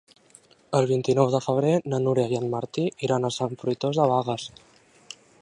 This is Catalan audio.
El vint-i-nou de febrer na Núria i en Martí iran a Sant Fruitós de Bages.